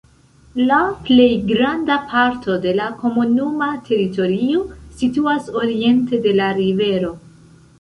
La plej granda parto de la komunuma teritorio situas oriente de la rivero.